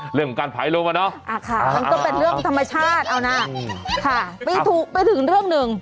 เรื่องของการผายลมอ่ะเนาะมันก็เป็นเรื่องธรรมชาติเอานะค่ะไปถึงเรื่องหนึ่ง